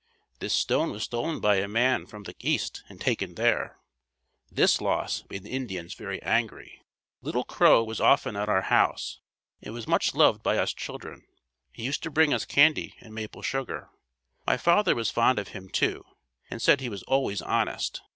This stone was stolen by a man from the east and taken there. This loss made the Indians very angry. Little Crow was often at our house and was much loved by us children. He used to bring us candy and maple sugar. My father was fond of him too, and said he was always honest.